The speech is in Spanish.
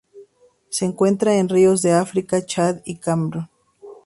Se encuentran en ríos de África: Chad y Camerún.